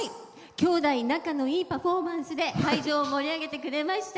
きょうだい仲のいいパフォーマンスで会場を盛り上げてくれました